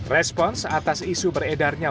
respon seatas isu beredarnya